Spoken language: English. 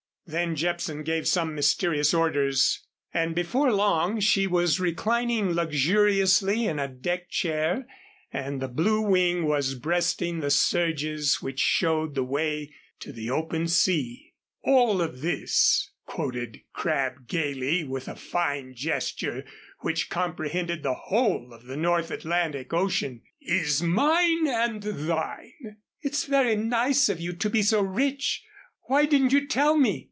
Then Jepson gave some mysterious orders and before long she was reclining luxuriously in a deck chair and the Blue Wing was breasting the surges which showed the way to the open sea. "'All of this,'" quoted Crabb gayly, with a fine gesture which comprehended the whole of the North Atlantic Ocean, "'is mine and thine.'" "It's very nice of you to be so rich. Why didn't you tell me?"